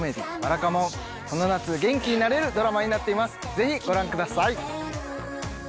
ぜひご覧ください。